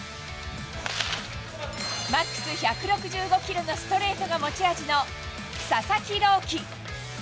マックス１６５キロのストレートが持ち味の佐々木朗希。